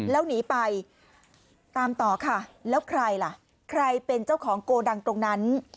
แล้วหนีไปตามต่อค่ะแล้วใครล่ะใครเป็นเจ้าของโกดังตรงนั้น